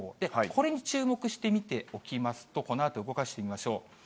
これに注目して見ておきますと、このあと動かしてみましょう。